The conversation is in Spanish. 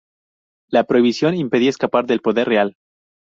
La prohibición impedía escapar del poder real.